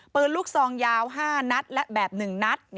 ปืนลูกซองยาว๕นัดและแบบ๑นัด